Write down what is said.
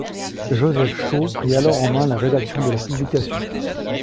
Joseph Shaw prit alors en main la rédaction de la publication.